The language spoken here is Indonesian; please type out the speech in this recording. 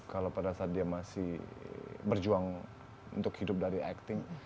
kalau pada saat dia masih berjuang untuk hidup dari acting